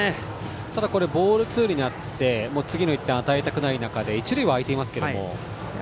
ただ、ボールツーになって次の１点を与えたくない中で一塁は空いていますけど。